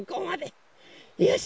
よし！